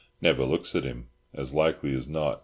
Never looks at him, as likely as not.